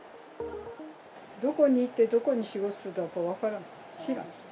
どこにいてどこで仕事をしてたか分からん、知らん。